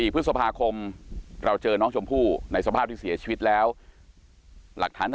พฤษภาคมเราเจอน้องชมพู่ในสภาพที่เสียชีวิตแล้วหลักฐาน